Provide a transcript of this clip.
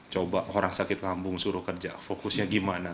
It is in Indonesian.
coba orang sakit kampung suruh kerja fokusnya gimana